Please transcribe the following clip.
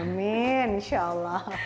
amin insya allah